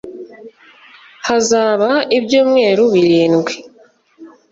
hazaba ibyumweru birindwi